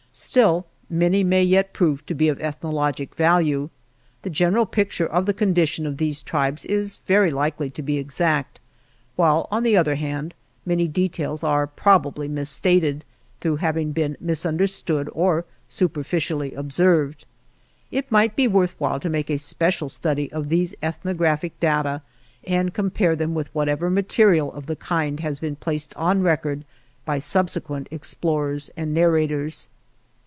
Still, many may yet prove to be of ethnologic value. The general picture of the condition of these tribes is very likely to be exact, while, on the other hand, many details are probably misstated, through having been misunder stood or superficially observed. It might be worth while to make a special study of these ethnographic data and compare them with whatever material of the kind has been placed on record by subsequent explorers and narrators.